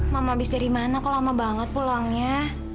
mama habis dari mana kok lama banget pulangnya